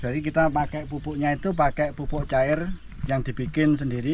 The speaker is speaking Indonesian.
jadi kita pakai pupuknya itu pakai pupuk cair yang dibikin sendiri